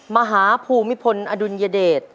มหาภูมิพลอดุลยเดช